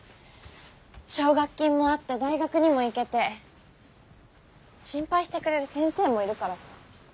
奨学金もあって大学にも行けて心配してくれる先生もいるからさ。